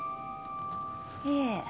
いえ。